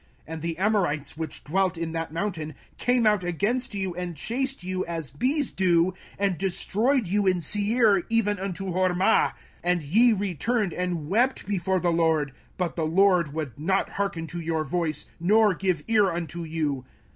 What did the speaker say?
05:001:044 And the Amorites, which dwelt in that mountain, came out against you, and chased you, as bees do, and destroyed you in Seir, even unto Hormah. 05:001:045 And ye returned and wept before the LORD; but the LORD would not hearken to your voice, nor give ear unto you.